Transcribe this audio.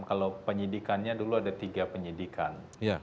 kalau penyidikannya dulu ada tiga penyidikan